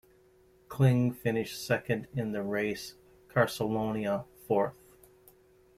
Kling finished second in the race, Caracciola fourth.